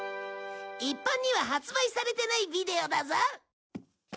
一般には発売されてないビデオだぞ。